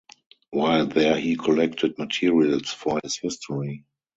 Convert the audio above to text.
While there he collected materials for his history.